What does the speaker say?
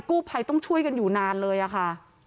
กู้ภัยต้องช่วยกันอยู่นานเลยอะค่ะ